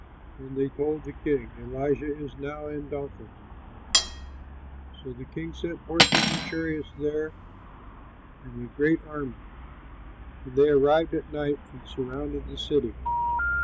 And they told the king, "Elisha is now in Dothan." So the king sent horses and chariots there and a great army. And they arrived at night and surrounded the city.